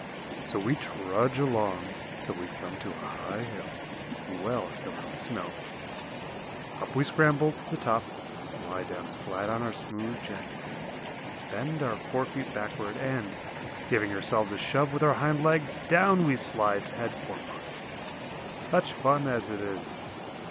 So we trudge along till we come to a high hill, well covered with snow; up we scramble to the top, lie down flat on our smooth jackets, bend our fore feet backward and, giving ourselves a shove with our hind legs, down we slide head foremost. Such fun as it is!